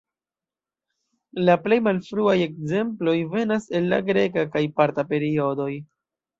La plej malfruaj ekzemploj venas el la greka kaj parta periodoj.